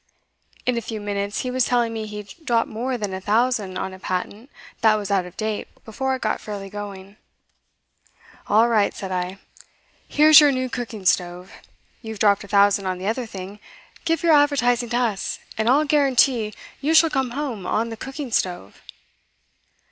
In a few minutes he was telling me he'd dropped more than a thousand on a patent that was out of date before it got fairly going. "All right," said I. "Here's your new cooking stove. You've dropped a thousand on the other thing; give your advertising to us, and I'll guarantee you shall come home on the cooking stove."